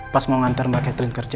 pas mau ngantar mbak catherine kerja